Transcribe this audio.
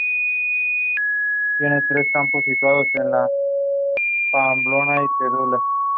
Tiene tres campus situados en Pamplona y Tudela.